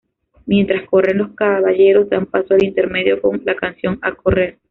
Mientras corren, los caballeros dan paso al intermedio, con la canción "¡A correr!